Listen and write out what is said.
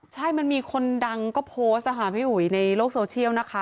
ใช่มันมีคนดังก็โพสต์ค่ะพี่อุ๋ยในโลกโซเชียลนะคะ